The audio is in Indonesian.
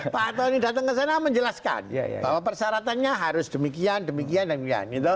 pak tony datang ke sana menjelaskan bahwa persyaratannya harus demikian demikian demikian